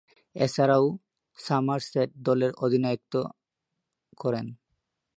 এছাড়াও, সমারসেট দলের অধিনায়কত্ব করেন।